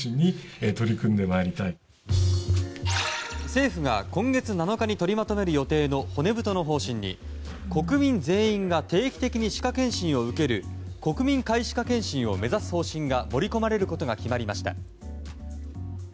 政府が今月７日に取りまとめる予定の骨太の方針に国民全員が定期的に歯科健診を受ける国民皆歯科健診を目指す方針が盛り込まれることが決まりました。